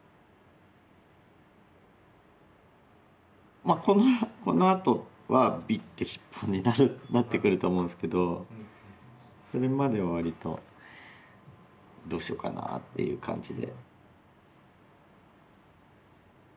まあこのあとはビッて１本になってくると思うんですけどそれまでわりとどうしようかなっていう感じで。